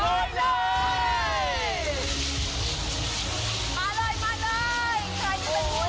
กลับเลย